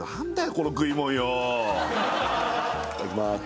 この食いもんよぉいただきます